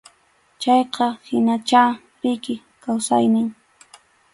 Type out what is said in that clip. Chayqa hinachá riki kawsayniy.